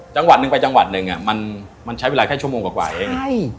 จังหวัดหนึ่งไปจังหวัดหนึ่งมันใช้เวลาแค่ชั่วโมงกว่าเองใช่